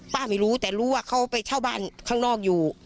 ไม่รู้แต่รู้ว่าเขาไปเช่าบ้านข้างนอกอยู่